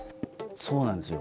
そうなんですよ。